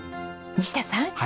西田さん。